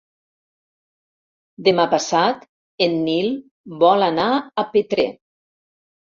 Demà passat en Nil vol anar a Petrer.